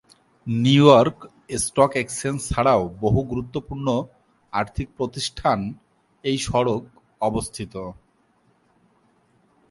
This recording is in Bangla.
নিউ ইয়র্ক স্টক এক্সচেঞ্জ ছাড়াও বহু গুরুত্বপূর্ণ আর্থিক প্রতিষ্ঠান এই সড়ক অবস্থিত।